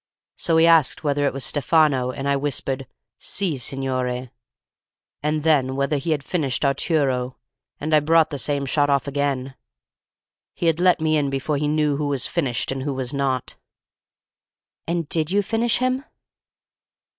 So he asked whether it was Stefano, and I whispered, 'Si, signore'; and then whether he had finished Arturo, and I brought the same shot off again. He had let me in before he knew who was finished and who was not." "And did you finish him?"